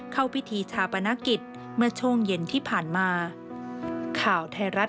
เข้าพิธีชาปนกิจเมื่อช่วงเย็นที่ผ่านมา